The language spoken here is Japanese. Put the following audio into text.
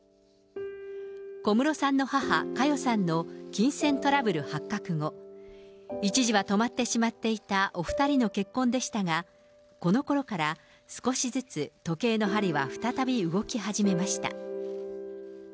小室さんの母、佳代さんの金銭トラブル発覚後、一時は止まってしまっていたお２人の結婚でしたが、このころから、少しずつ時計の針は再び動き始めました。